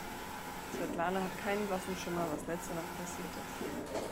Svetlana hat keinen blassen Schimmer, was letzte Nacht passiert ist.